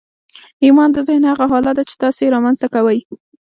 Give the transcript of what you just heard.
ايمان د ذهن هغه حالت دی چې تاسې يې رامنځته کوئ.